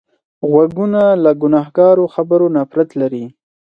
غوږونه له ګناهکارو خبرو نفرت لري